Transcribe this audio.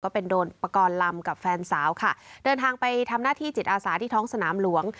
เป็นโดนปกรณ์ลำกับแฟนสาวค่ะเดินทางไปทำหน้าที่จิตอาสาที่ท้องสนามหลวง